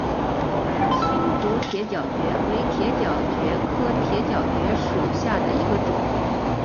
新竹铁角蕨为铁角蕨科铁角蕨属下的一个种。